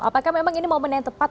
apakah memang ini momen yang tepat